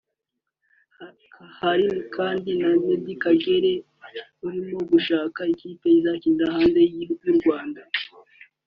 Hari kandi Meddie Kagere urimo gushaka ikipe azakinira hanze y’u Rwanda